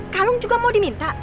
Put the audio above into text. kalung juga mau diminta